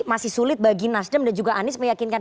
masih sulit bagi nasdem dan juga anies meyakinkan